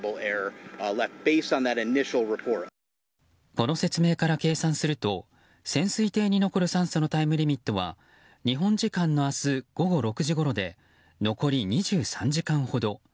この説明から計算すると潜水艇に残る酸素のタイムリミットは日本時間の明日午後６時ごろで残り２３時間ほど。